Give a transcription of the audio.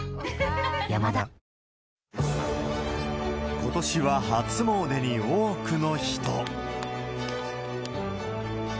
ことしは初詣に多くの人。